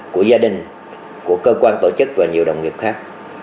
của gia đình của cơ quan tổ chức và nhiều đồng nghiệp khác